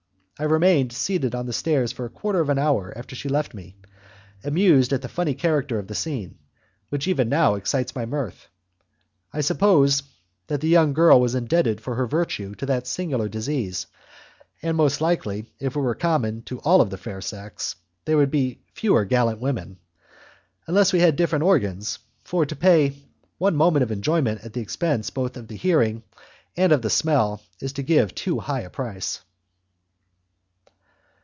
I remained seated on the stairs for a quarter of an hour after she had left me, amused at the funny character of a scene which even now excites my mirth. I suppose that the young girl was indebted for her virtue to that singular disease, and most likely, if it were common to all the fair sex, there would be fewer gallant women, unless we had different organs; for to pay for one moment of enjoyment at the expense both of the hearing and of the smell is to give too high a price.